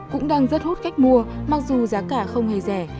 cũng đang rất hút khách mua mặc dù giá cả không hề rẻ